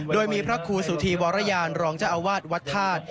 โดยมีพระครูสุธีวรยานรองเจ้าอาวาสวัดธาตุ